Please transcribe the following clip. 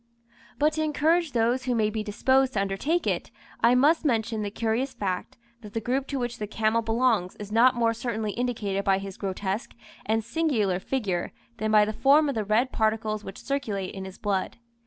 But to encourage those who may be disposed to undertake it, I must mention the curious fact, that the group to which the camel belongs is not more certainly indicated by his grotesque and singular figure than by the form of the red particles which circulate in his blood.